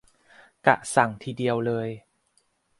กะสั่งทีเดียวเลย